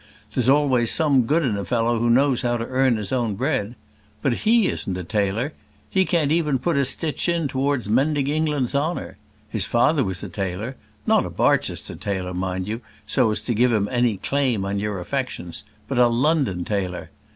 There's always some good in a fellow who knows how to earn his own bread. But he isn't a tailor; he can't even put a stitch in towards mending England's honour. His father was a tailor; not a Barchester tailor, mind you, so as to give him any claim on your affections; but a London tailor.